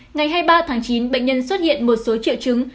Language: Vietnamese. ngày hai mươi ba tháng chín bệnh nhân xuất hiện một số triệu chứng